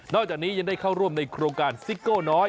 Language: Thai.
จากนี้ยังได้เข้าร่วมในโครงการซิโก้น้อย